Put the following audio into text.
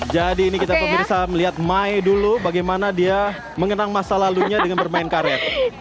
jadi ini kita bisa melihat mai dulu bagaimana dia mengenang masa lalunya dengan bermain karet